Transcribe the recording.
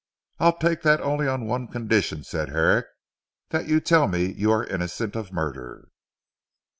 "I'll take that only on one condition," said Herrick, "that you tell me you are innocent of murder."